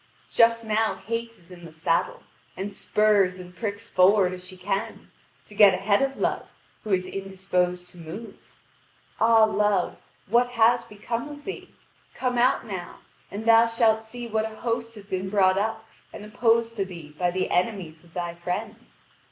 Just now Hate is in the saddle, and spurs and pricks forward as she can, to get ahead of Love who is indisposed to move. Ah! Love, what has become of thee? Come out now, and thou shalt see what a host has been brought up and opposed to thee by the enemies of thy friends.